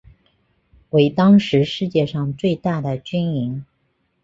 为当时世界上最大的军营。